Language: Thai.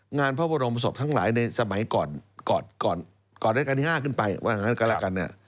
งานพระบรมศพทั้งหลายในสมัยก่อนรัชกาลที่๕ขึ้นไปว่างั้นก็ละกันนะ